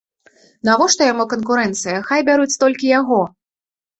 Навошта яму канкурэнцыя, хай бяруць толькі яго.